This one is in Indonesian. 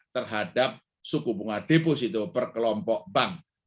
terhadap suku bunga deposito per kelompok bank